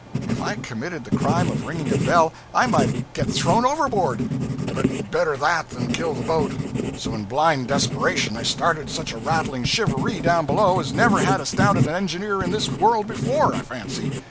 If I committed the crime of ringing a bell, I might get thrown overboard. But better that than kill the boat. So in blind desperation I started such a rattling 'shivaree' down below as never had astounded an engineer in this world before, I fancy.